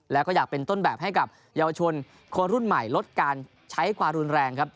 แล้วก็อยากเป็นต้นแบบให้กับเยาวชนคนรุ่นใหม่ลดการใช้ความรุนแรงครับ